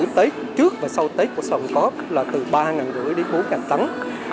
từ tết trước và sau tết của sòng cóp là từ ba năm trăm linh đến bốn tắng